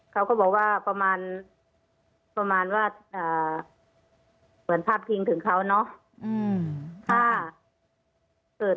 เขาก็บอกว่าประมาณประมาณว่าเหมือนพาดพิงถึงเขาเนาะ